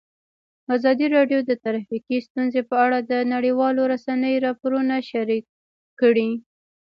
ازادي راډیو د ټرافیکي ستونزې په اړه د نړیوالو رسنیو راپورونه شریک کړي.